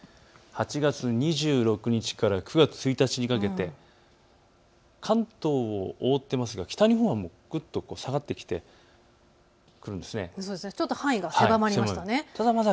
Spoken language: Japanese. ８月２６日から９月１日にかけて関東を覆っていますが北日本もぐっと下がってきてちょっと範囲が狭まりましたね。